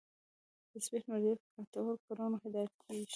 تثبیت مدیریت ګټورو کړنو هدایت کېږي.